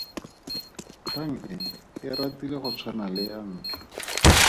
Kgang e e ratile go tshwana le ya ntlha.